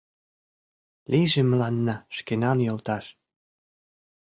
Лийже мыланна шкенан йолташ.